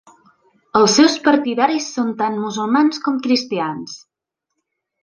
Els seus partidaris són tant musulmans com cristians.